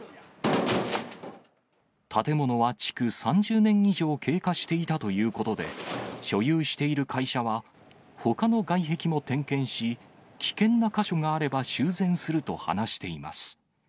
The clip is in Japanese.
建物は築３０年以上経過していたということで、所有している会社は、ほかの外壁も点検し、危険な箇所があれば、修繕すると話しています。